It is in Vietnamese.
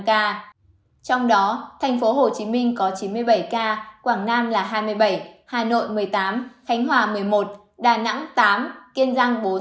trong đó thành phố hồ chí minh có chín mươi bảy ca quảng nam là hai mươi bảy hà nội một mươi tám khánh hòa một mươi một đà nẵng tám kiên giang bốn